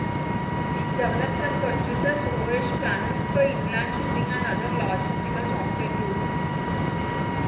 It develops and produces voyage planners for inland shipping and other logistical software tools.